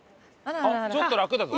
ちょっと楽だぞ。